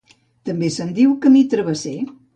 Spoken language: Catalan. També se'n diu Camí Travesser.